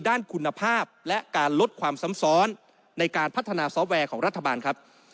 ด้านคุณภาพและการลดความซ้ำซ้อนในการพัฒนาซอฟต์แวร์ของรัฐบาลครับ